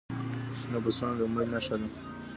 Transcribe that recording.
شنه فصلونه د امید نښه ده.